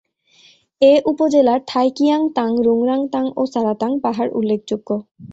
এ উপজেলার থাইংকিয়াং তাং, রুংরাং তাং ও সারা তাং পাহাড় উল্লেখযোগ্য।